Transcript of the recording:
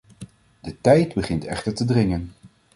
De tijd begint echter te dringen.